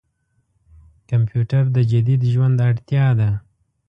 کمپيوټر د جديد ژوند اړتياده.